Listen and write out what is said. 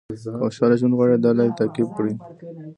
که خوشاله ژوند غواړئ دا لارې تعقیب کړئ.